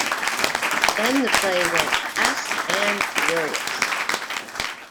Then the play went fast and furious.